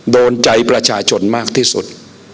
โดนใจประชาชนมากที่สุด